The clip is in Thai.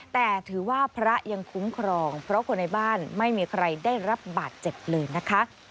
แต่ถือว่าพระยังคุ้มครองเพราะคนในบ้านไม่มีใครได้รับบาดเจ็บเลยนะคะ